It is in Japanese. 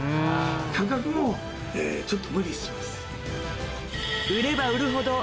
価格もちょっと無理してます。